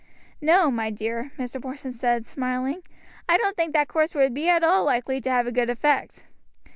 "No, my dear," Mr. Porson said, smiling, "I don't think that course would be at all likely to have a good effect.